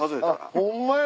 ホンマや。